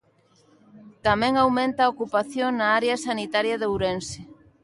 Tamén aumenta a ocupación na área sanitaria de Ourense.